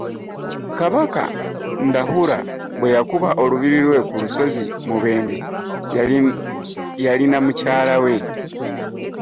Kabaka Ndahura bwe yakuba olubiri lwe ku lusozi Mubende yalina mukyala we.